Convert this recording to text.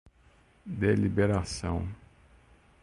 deliberação